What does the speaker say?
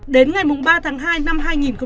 đến ngày ba tháng hai năm hai nghìn hai mươi